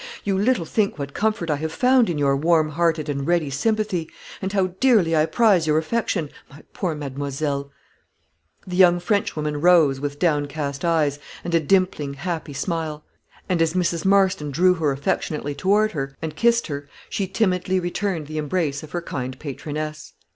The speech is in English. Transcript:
You little think what comfort I have found in your warm hearted and ready sympathy, and how dearly I prize your affection, my poor mademoiselle." The young Frenchwoman rose, with downcast eyes, and a dimpling, happy smile; and, as Mrs. Marston drew her affectionately toward her, and kissed her, she timidly returned the embrace of her kind patroness.